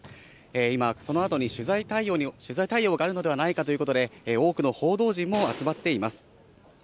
今、そのあとに取材対応があるのではないかということで、多くの報道陣も集まっています。